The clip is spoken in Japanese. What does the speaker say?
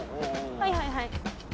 はいはいはい。